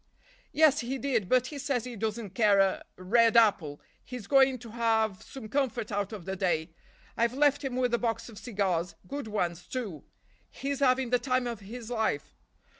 "Yes, he did; but he says he doesn't care a—red apple; he's going to have some comfort out of the day. I've left him with a box of cigars; good ones, too. He's having the time of his life."